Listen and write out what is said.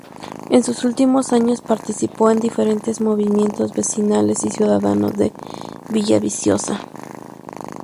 En sus últimos años participó en diferentes movimientos vecinales y ciudadanos de Villaviciosa.